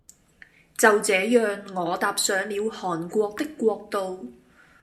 就這樣我踏上了韓國的國度